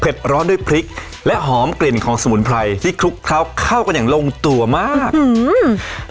ร้อนด้วยพริกและหอมกลิ่นของสมุนไพรที่คลุกเคล้าเข้ากันอย่างลงตัวมากอืม